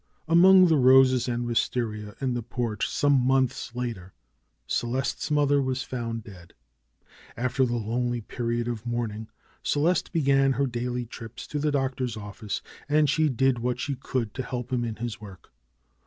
Among the roses and wistaria in the porch some months later. Celeste's mother was found dead. After the lonely period of mourning Celeste began her daily trips to the Doctor's office, and she did what she could to help him in his work.